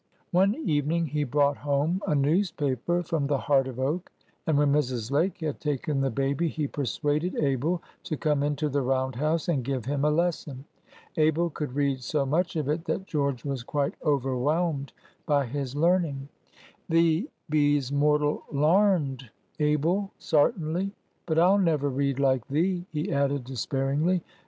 One evening he brought home a newspaper from the Heart of Oak, and when Mrs. Lake had taken the baby, he persuaded Abel to come into the round house and give him a lesson. Abel could read so much of it that George was quite overwhelmed by his learning. "Thee be's mortal larned, Abel, sartinly. But I'll never read like thee," he added, despairingly.